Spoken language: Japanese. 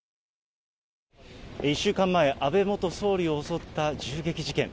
１週間前、安倍元総理を襲った銃撃事件。